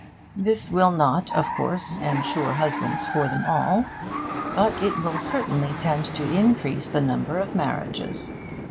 This will not, of course, ensure husbands for them all; but it will certainly tend to increase the number of marriages.